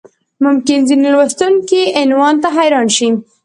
ممکن ځینې لوستونکي عنوان ته حیران شي.